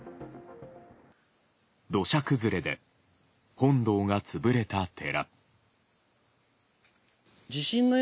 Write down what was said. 土砂崩れで本堂が潰れた寺。